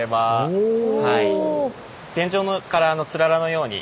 おお。